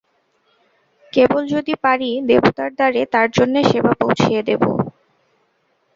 কেবল যদি পারি দেবতার দ্বারে তাঁর জন্যে সেবা পৌঁছিয়ে দেব।